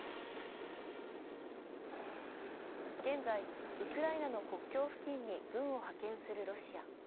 現在、ウクライナの国境付近に軍を派遣するロシア。